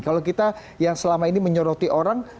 kalau kita yang selama ini menyoroti orang